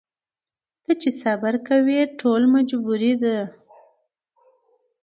ته چي صبر کوې ټوله مجبوري ده